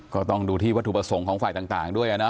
ก็ต้องดูที่วัตถุประสงค์ของฝ่ายต่างด้วยนะ